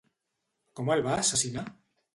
Com el va assassinar?